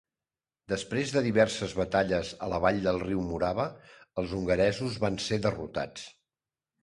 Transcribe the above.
Després de diverses batalles a la vall del riu Morava, els hongaresos van ser derrotats.